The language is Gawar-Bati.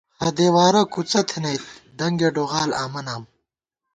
ہدېوارہ کُڅہ تھنَئیت ، ڈنگے ڈوغال آمہ نام